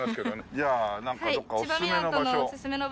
じゃあなんかどこかおすすめの場所。